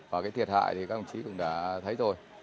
và cái thiệt hại thì các ông chí cũng đã thấy rồi